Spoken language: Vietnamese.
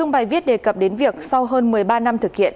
bài viết đề cập đến việc sau hơn một mươi ba năm thực hiện